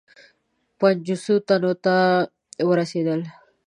پنجوسو تنو ته ورسېدل.